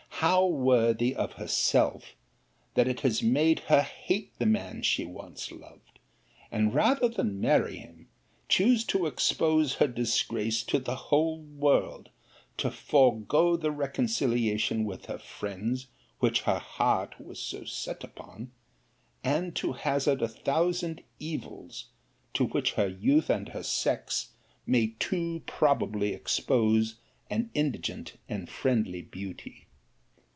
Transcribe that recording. how worthy of herself, that it has made her hate the man she once loved! and, rather than marry him, choose to expose her disgrace to the whole world: to forego the reconciliation with her friends which her heart was so set upon: and to hazard a thousand evils to which her youth and her sex may too probably expose an indigent and friendly beauty!